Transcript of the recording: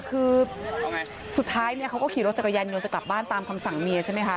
คือสุดท้ายเนี่ยเขาก็ขี่รถจักรยานยนต์จะกลับบ้านตามคำสั่งเมียใช่ไหมคะ